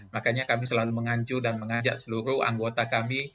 makanya kami selalu mengancu dan mengajak seluruh anggota kami